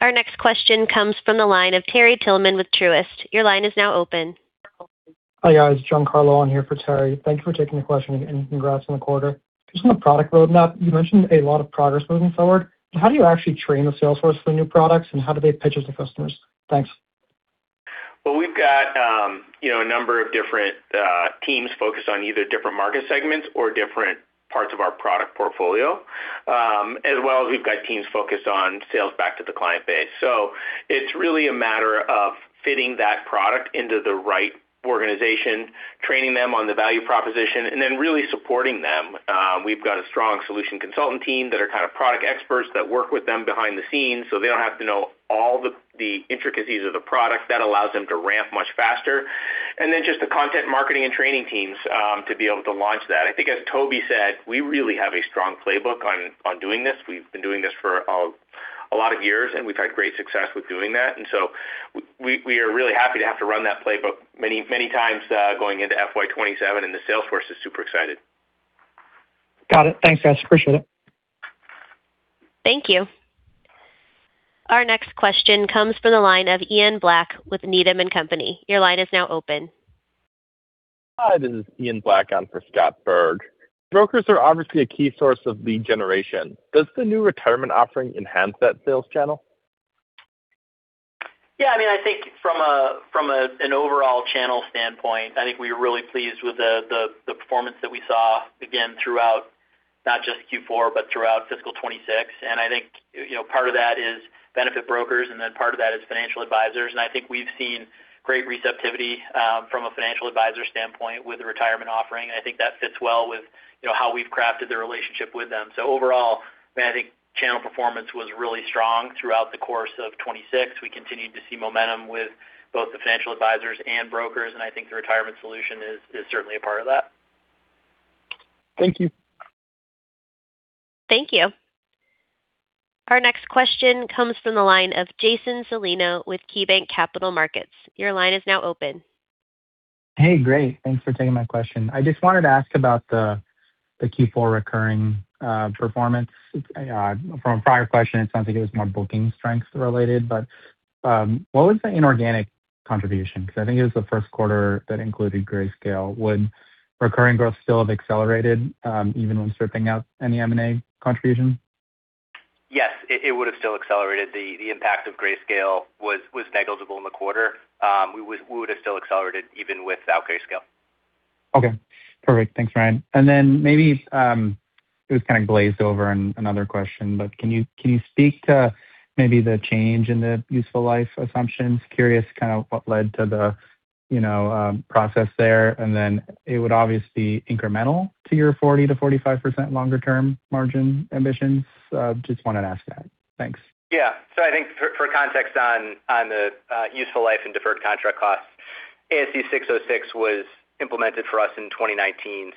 Speaker 1: Our next question comes from the line of Terry Tillman with Truist. Your line is now open.
Speaker 12: Hi, guys. John Carlo on here for Terry. Thank you for taking the question, congrats on the quarter. Just on the product roadmap, you mentioned a lot of progress moving forward, how do you actually train the sales force for the new products, and how do they pitch it to customers? Thanks.
Speaker 3: We've got a number of different teams focused on either different market segments or different parts of our product portfolio. We've got teams focused on sales back to the client base. It's really a matter of fitting that product into the right organization, training them on the value proposition, and then really supporting them. We've got a strong solution consultant team that are product experts that work with them behind the scenes, so they don't have to know all the intricacies of the product. That allows them to ramp much faster. Just the content marketing and training teams to be able to launch that. I think, as Toby said, we really have a strong playbook on doing this. We've been doing this for a lot of years, and we've had great success with doing that. We are really happy to have to run that playbook many times, going into FY 2027, and the sales force is super excited.
Speaker 12: Got it. Thanks, guys. Appreciate it.
Speaker 1: Thank you. Our next question comes from the line of Ian Black with Needham & Company. Your line is now open.
Speaker 13: Hi, this is Ian Black on for Scott Berg. Brokers are obviously a key source of lead generation. Does the new Paylocity Retirement offering enhance that sales channel?
Speaker 4: Yeah, I think from an overall channel standpoint, I think we are really pleased with the performance that we saw, again, throughout not just Q4, but throughout fiscal 2026. I think part of that is benefit brokers, then part of that is financial advisors. I think we've seen great receptivity from a financial advisor standpoint with the Paylocity Retirement offering, and I think that fits well with how we've crafted the relationship with them. Overall, I think channel performance was really strong throughout the course of 2026. We continued to see momentum with both the financial advisors and brokers, and I think the Paylocity Retirement solution is certainly a part of that.
Speaker 13: Thank you.
Speaker 1: Thank you. Our next question comes from the line of Jason Celino with KeyBanc Capital Markets. Your line is now open.
Speaker 14: Hey, great. Thanks for taking my question. I just wanted to ask about the Q4 recurring performance. From a prior question, it sounds like it was more booking strengths related, but what was the inorganic contribution? I think it was the first quarter that included Grayscale. Would recurring growth still have accelerated even when stripping out any M&A contributions?
Speaker 2: Yes. It would've still accelerated. The impact of Grayscale was negligible in the quarter. We would've still accelerated even without Grayscale.
Speaker 14: Okay, perfect. Thanks, Ryan. Maybe, it was kind of glazed over in another question, but can you speak to maybe the change in the useful life assumptions? Curious kind of what led to the process there, it would obviously be incremental to your 40%-45% longer-term margin ambitions. Just wanted to ask that. Thanks.
Speaker 2: Yeah. I think for context on the useful life and deferred contract costs, ASC 606 was implemented for us in 2019.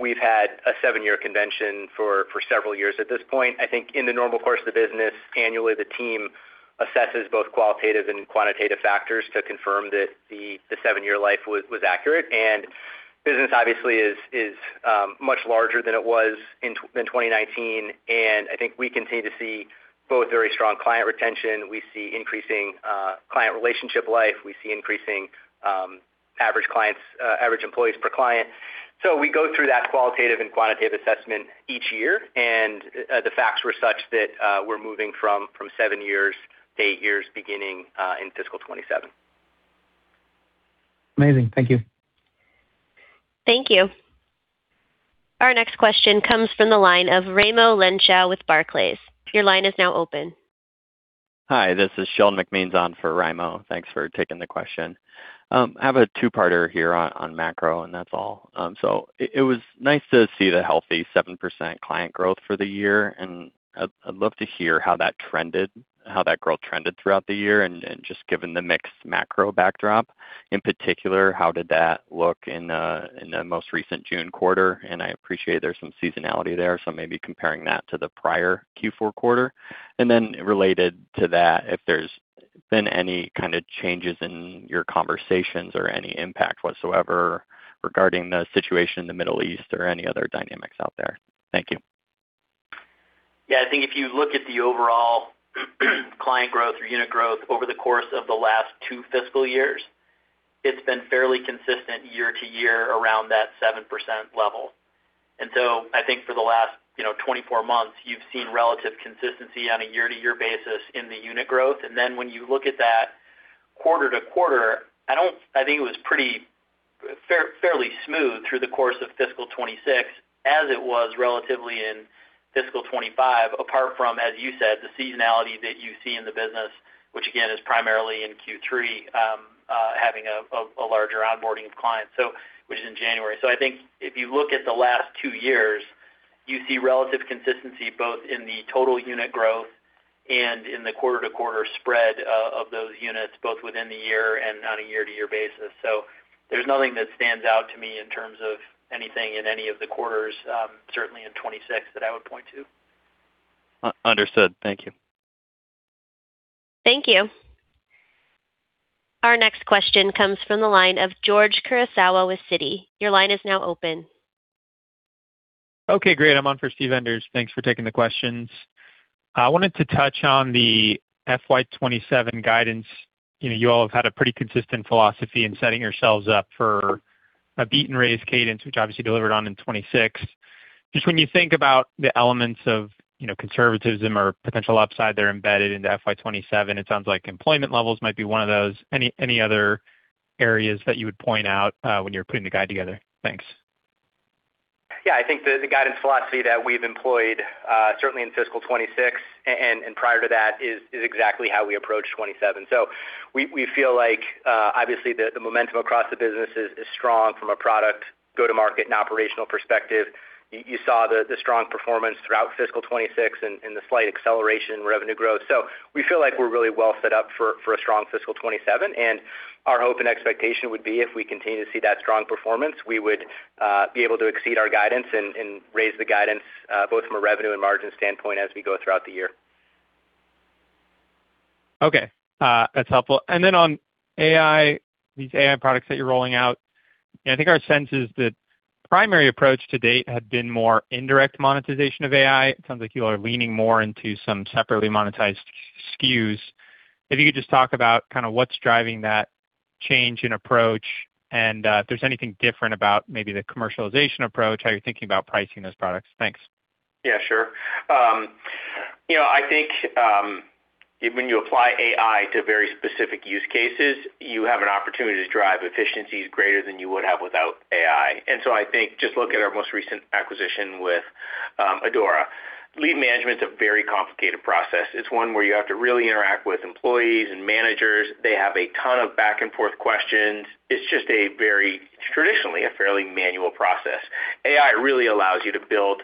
Speaker 2: We've had a seven-year convention for several years at this point. I think in the normal course of the business, annually, the team assesses both qualitative and quantitative factors to confirm that the seven-year life was accurate. Business obviously is much larger than it was in 2019, I think we continue to see both very strong client retention. We see increasing client relationship life. We see increasing average employees per client. We go through that qualitative and quantitative assessment each year, the facts were such that we're moving from seven years to eight years beginning in fiscal 2027.
Speaker 14: Amazing. Thank you.
Speaker 1: Thank you. Our next question comes from the line of Raimo Lenschow with Barclays. Your line is now open.
Speaker 15: Hi, this is Sheldon McMeans on for Raimo. Thanks for taking the question. I have a two-parter here on macro, and that's all. It was nice to see the healthy 7% client growth for the year, and I'd love to hear how that growth trended throughout the year and just given the mixed macro backdrop. In particular, how did that look in the most recent June quarter? I appreciate there's some seasonality there, so maybe comparing that to the prior Q4 quarter. Then related to that, if there's been any kind of changes in your conversations or any impact whatsoever regarding the situation in the Middle East or any other dynamics out there. Thank you.
Speaker 2: I think if you look at the overall client growth or unit growth over the course of the last two fiscal years, it's been fairly consistent year-to-year around that 7% level. I think for the last 24 months, you've seen relative consistency on a year-to-year basis in the unit growth. Then when you look at that quarter-to-quarter, I think it was fairly smooth through the course of fiscal 2026 as it was relatively in fiscal 2025, apart from, as you said, the seasonality that you see in the business, which again is primarily in Q3, having a larger onboarding of clients, which is in January. I think if you look at the last two years, you see relative consistency both in the total unit growth and in the quarter-to-quarter spread of those units, both within the year and on a year-to-year basis. There's nothing that stands out to me in terms of anything in any of the quarters, certainly in 2026, that I would point to.
Speaker 15: Understood. Thank you.
Speaker 1: Thank you. Our next question comes from the line of George Kurosawa with Citi. Your line is now open.
Speaker 16: Okay, great. I'm on for Steven Enders. Thanks for taking the questions. I wanted to touch on the FY 2027 guidance. You all have had a pretty consistent philosophy in setting yourselves up for a beat and raise cadence, which obviously delivered on in 2026. Just when you think about the elements of conservatism or potential upside that are embedded into FY 2027, it sounds like employment levels might be one of those. Any other areas that you would point out when you're putting the guide together? Thanks.
Speaker 2: I think the guidance philosophy that we've employed, certainly in fiscal 2026 and prior to that, is exactly how we approach 2027. We feel like, obviously the momentum across the business is strong from a product go-to-market and operational perspective. You saw the strong performance throughout fiscal 2026 and the slight acceleration in revenue growth. We feel like we're really well set up for a strong fiscal 2027, and our hope and expectation would be if we continue to see that strong performance, we would be able to exceed our guidance and raise the guidance, both from a revenue and margin standpoint as we go throughout the year.
Speaker 16: Okay. That's helpful. On AI, these AI products that you're rolling out, I think our sense is that primary approach to date had been more indirect monetization of AI. It sounds like you are leaning more into some separately monetized SKUs. If you could just talk about what's driving that change in approach and if there's anything different about maybe the commercialization approach, how you're thinking about pricing those products. Thanks.
Speaker 2: Yeah, sure. I think when you apply AI to very specific use cases, you have an opportunity to drive efficiencies greater than you would have without AI. I think just look at our most recent acquisition with Aidora. Leave management's a very complicated process. It's one where you have to really interact with employees and managers. They have a ton of back-and-forth questions. It's just traditionally a fairly manual process. AI really allows you to build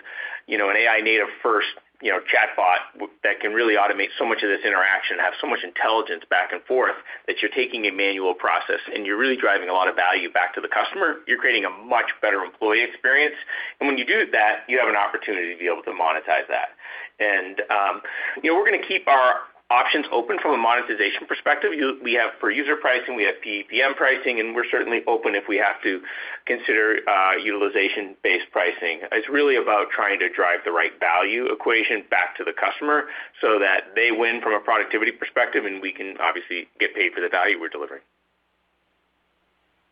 Speaker 2: an AI-native first chatbot that can really automate so much of this interaction and have so much intelligence back and forth that you're taking a manual process, and you're really driving a lot of value back to the customer. You're creating a much better employee experience. When you do that, you have an opportunity to be able to monetize that. We're going to keep our options open from a monetization perspective. We have per user pricing, we have PEPM pricing, we're certainly open if we have to consider utilization-based pricing. It's really about trying to drive the right value equation back to the customer so that they win from a productivity perspective, and we can obviously get paid for the value we're delivering.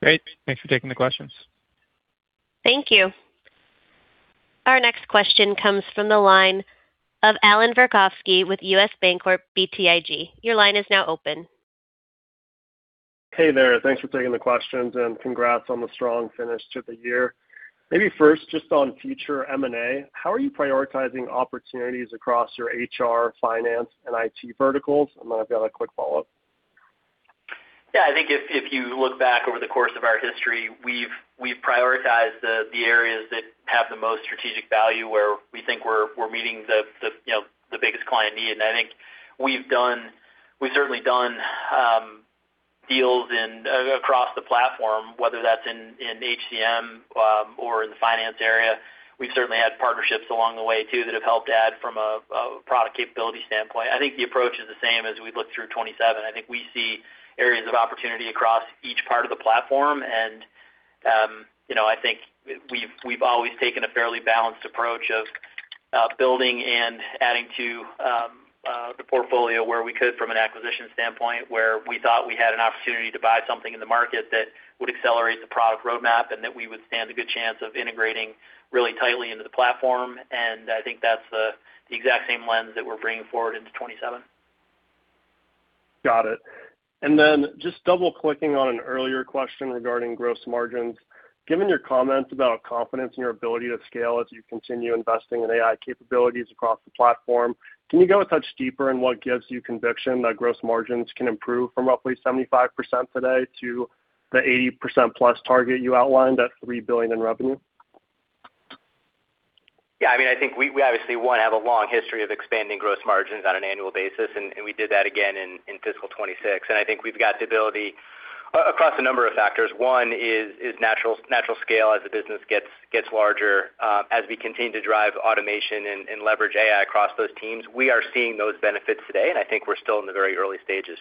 Speaker 16: Great. Thanks for taking the questions.
Speaker 1: Thank you. Our next question comes from the line of Allan Verkhovski with U.S. Bancorp BTIG. Your line is now open.
Speaker 17: Hey there. Thanks for taking the questions. Congrats on the strong finish to the year. Maybe first, just on future M&A, how are you prioritizing opportunities across your HR, finance, and IT verticals? Then I've got a quick follow-up.
Speaker 2: I think if you look back over the course of our history, we've prioritized the areas that have the most strategic value where we think we're meeting the biggest client need. I think we've certainly done deals across the platform, whether that's in HCM or in the finance area. We've certainly had partnerships along the way too that have helped add from a product capability standpoint. I think the approach is the same as we look through 2027. We see areas of opportunity across each part of the platform. I think we've always taken a fairly balanced approach of building and adding to the portfolio where we could from an acquisition standpoint, where we thought we had an opportunity to buy something in the market that would accelerate the product roadmap and that we would stand a good chance of integrating really tightly into the platform. I think that's the exact same lens that we're bringing forward into 2027.
Speaker 17: Got it. Just double-clicking on an earlier question regarding gross margins. Given your comments about confidence in your ability to scale as you continue investing in AI capabilities across the platform, can you go a touch deeper in what gives you conviction that gross margins can improve from roughly 75% today to the 80%+ target you outlined at $3 billion in revenue?
Speaker 2: I think we obviously, one, have a long history of expanding gross margins on an annual basis, and we did that again in fiscal 2026. I think we've got the ability across a number of factors. One is natural scale as the business gets larger. As we continue to drive automation and leverage AI across those teams, we are seeing those benefits today. I think we're still in the very early stages.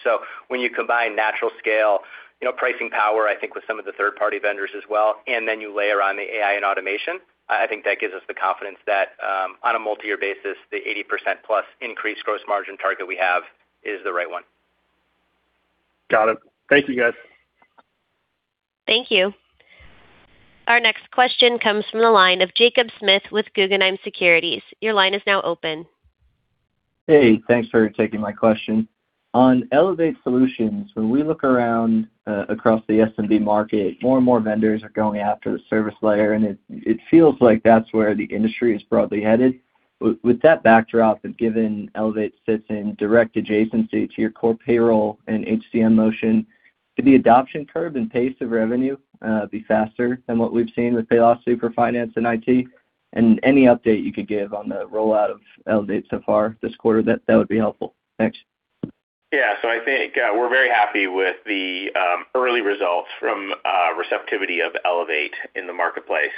Speaker 2: When you combine natural scale, pricing power, I think with some of the third-party vendors as well, then you layer on the AI and automation, I think that gives us the confidence that on a multi-year basis, the 80%+ increased gross margin target we have is the right one.
Speaker 17: Got it. Thank you, guys.
Speaker 1: Thank you. Our next question comes from the line of Jacob Smith with Guggenheim Securities. Your line is now open.
Speaker 18: Hey, thanks for taking my question. On Elevate Solutions, when we look around across the SMB market, more and more vendors are going after the service layer. It feels like that's where the industry is broadly headed. With that backdrop, given Elevate sits in direct adjacency to your core payroll and HCM motion, could the adoption curve and pace of revenue be faster than what we've seen with Paylocity for finance and IT? Any update you could give on the rollout of Elevate so far this quarter, that would be helpful. Thanks.
Speaker 2: Yeah. I think we're very happy with the early results from receptivity of Elevate in the marketplace.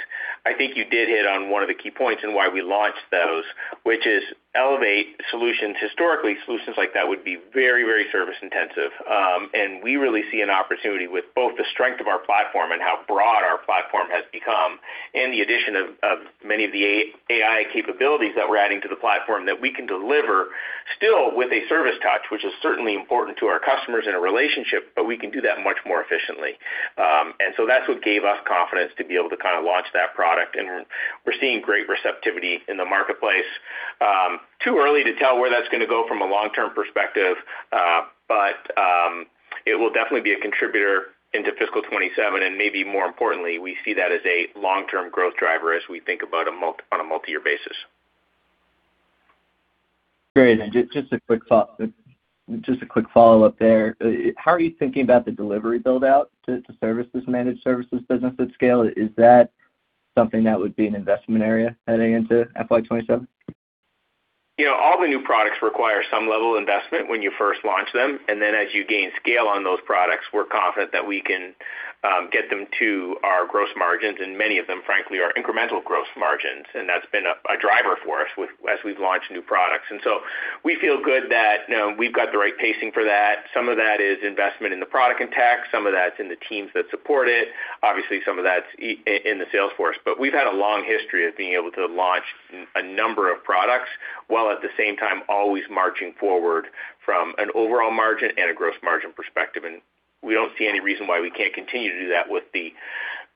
Speaker 2: I think you did hit on one of the key points in why we launched those, which is Elevate Solutions. Historically, solutions like that would be very service-intensive. We really see an opportunity with both the strength of our platform and how broad our platform has become and the addition of many of the AI capabilities that we're adding to the platform that we can deliver still with a service touch, which is certainly important to our customers in a relationship, but we can do that much more efficiently. That's what gave us confidence to be able to launch that product, and we're seeing great receptivity in the marketplace. Too early to tell where that's going to go from a long-term perspective. It will definitely be a contributor into fiscal 2027, and maybe more importantly, we see that as a long-term growth driver as we think about on a multi-year basis.
Speaker 18: Great. Just a quick follow-up there. How are you thinking about the delivery build-out to service this managed services business at scale? Is that something that would be an investment area heading into FY 2027?
Speaker 2: All the new products require some level of investment when you first launch them, and then as you gain scale on those products, we're confident that we can get them to our gross margins, and many of them, frankly, are incremental gross margins, and that's been a driver for us as we've launched new products. So we feel good that we've got the right pacing for that. Some of that is investment in the product and tech. Some of that's in the teams that support it. Obviously, some of that's in the sales force. We've had a long history of being able to launch a number of products, while at the same time, always marching forward from an overall margin and a gross margin perspective. We don't see any reason why we can't continue to do that with the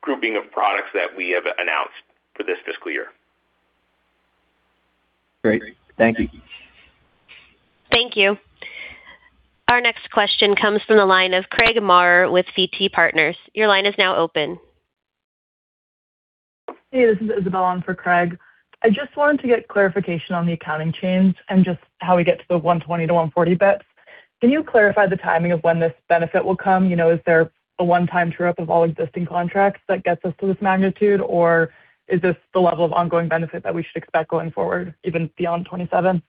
Speaker 2: grouping of products that we have announced for this fiscal year.
Speaker 18: Great. Thank you.
Speaker 1: Thank you. Our next question comes from the line of Craig Maurer with FT Partners. Your line is now open.
Speaker 19: Hey, this is Isabelle on for Craig. I just wanted to get clarification on the accounting change and just how we get to the 120 to 140 basis points. Can you clarify the timing of when this benefit will come? Is there a one-time true-up of all existing contracts that gets us to this magnitude, or is this the level of ongoing benefit that we should expect going forward, even beyond 2027?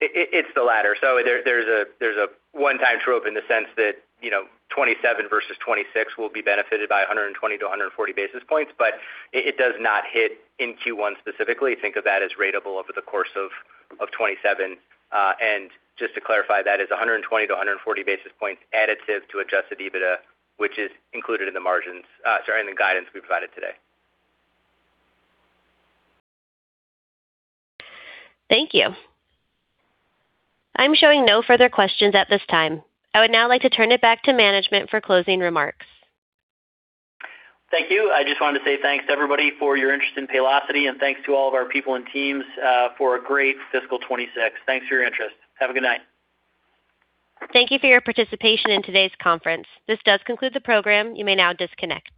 Speaker 2: It's the latter. There's a one-time true-up in the sense that 2027 versus 2026 will be benefited by 120 to 140 basis points, but it does not hit in Q1 specifically. Think of that as ratable over the course of 2027. Just to clarify, that is 120 to 140 basis points additive to adjusted EBITDA, which is included in the guidance we provided today.
Speaker 1: Thank you. I'm showing no further questions at this time. I would now like to turn it back to management for closing remarks.
Speaker 2: Thank you. I just wanted to say thanks to everybody for your interest in Paylocity, thanks to all of our people and teams for a great fiscal 2026. Thanks for your interest. Have a good night.
Speaker 1: Thank you for your participation in today's conference. This does conclude the program. You may now disconnect.